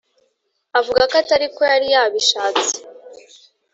avugako atariko yari yabishatse